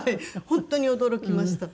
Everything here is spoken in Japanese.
本当に驚きました。